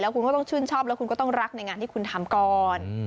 คุณก็ต้องชื่นชอบแล้วคุณก็ต้องรักในงานที่คุณทำก่อน